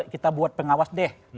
kita buat pengawas deh